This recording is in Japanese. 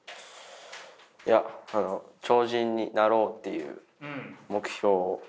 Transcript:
いや超人になろうという目標を。